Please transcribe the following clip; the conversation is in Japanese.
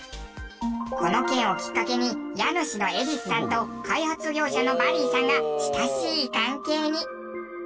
この件をきっかけに家主のエディスさんと開発業者のバリーさんが親しい関係に。